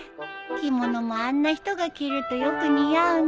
着物もあんな人が着るとよく似合うね。